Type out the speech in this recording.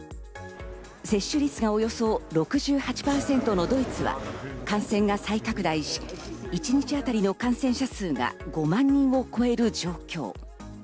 接種率がおよそ６８％のドイツは感染が再拡大し、一日当たりの感染者数が５万人を超える状況。